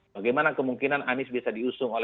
bagaimana kemungkinan anies bisa diusung oleh